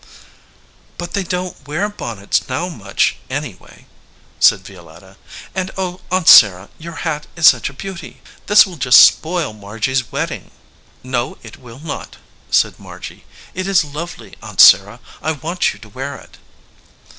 But they don t wear bonnets now much, any 97 EDGEWATER PEOPLE way/ said Violetta; "and, oh, Aunt Sarah, your hat is such a beauty ! This will just spoil Margy s wedding." "No, it will not," said Margy. "It is lovely, Aunt Sarah. I want you to wear it."